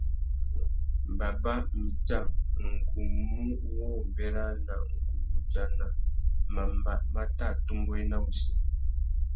Baba, mitsa, ngu mù wô bérana ngu wô udjana mamba mà tà atumbéwena wussi.